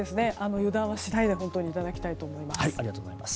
油断はしないでいただきたいと思います。